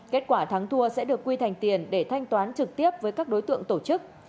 kết quả thắng thua sẽ được quy thành tiền để thanh toán trực tiếp với các đối tượng tổ chức